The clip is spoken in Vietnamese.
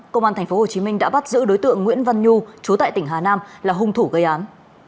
công an tp hcm đã bắt giữ đối tượng nguyễn văn nhu chú tại tỉnh hà nam là hung thủ gây án